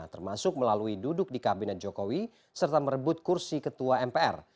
termasuk melalui duduk di kabinet jokowi serta merebut kursi ketua mpr